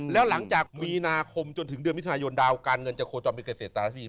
แล้วหลังจากมีนาคมจนถึงเดือนมิถุนายนดาวการเงินจะโคจรเป็นเกษตร